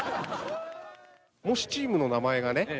・もしチームの名前がね